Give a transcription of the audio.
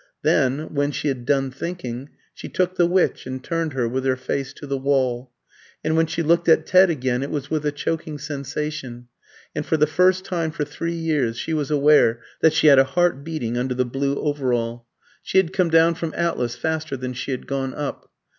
Then when she had done thinking, she took the Witch and turned her with her face to the wall. And when she looked at Ted again it was with a choking sensation, and for the first time for three years she was aware that she had a heart beating under the blue overall. She had come down from Atlas faster than she had gone up.